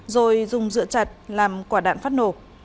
rồi dùng dựa chặt làm quả đạn phát nổ